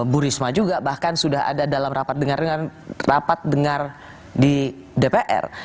bu risma juga bahkan sudah ada dalam rapat dengar di dpr